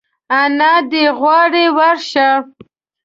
انا دي غواړي ورشه !